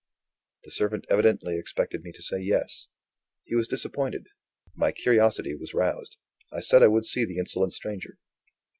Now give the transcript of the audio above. The servant evidently expected me to say Yes. He was disappointed; my curiosity was roused; I said I would see the insolent stranger.